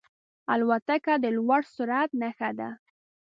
الوتکه د لوړ سرعت نښه ده.